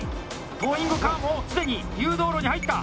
トーイングカーも既に誘導路に入った。